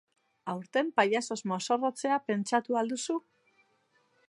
Aurten pailazoz mozorrotzea pentsatu al duzu?